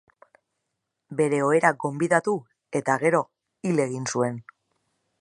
Bere ohera gonbidatu, eta gero hil egin zuen.